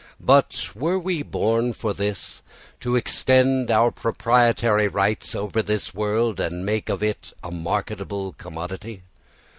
But were we born for this, to extend our proprietary rights over this world and make of it a marketable commodity?